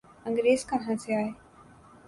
انگریز کہاں سے آئے؟